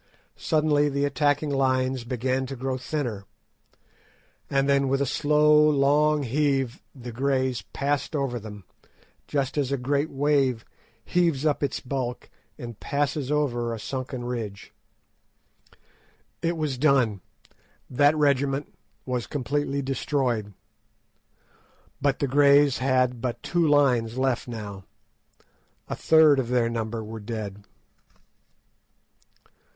Suddenly the attacking lines began to grow thinner, and then with a slow, long heave the Greys passed over them, just as a great wave heaves up its bulk and passes over a sunken ridge. It was done; that regiment was completely destroyed, but the Greys had but two lines left now; a third of their number were dead.